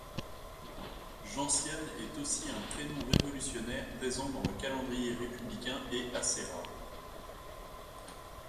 Gentiane est aussi un prénom révolutionnaire, présent dans le calendrier républicain, et assez rare.